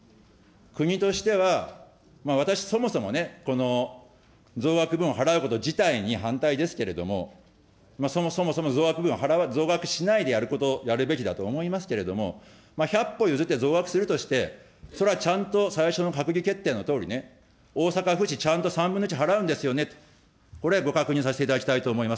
国としてはまあ、私そもそもね、この増額分を払うこと自体に反対ですけれども、そもそも、増額分を増額しないでやること、やるべきだと思いますけれども、百歩譲って増額するとしても、それはちゃんと最初の閣議決定のとおりね、大阪府市ちゃんと３分の１払うんですよねと、これご確認させていただきたいと思います。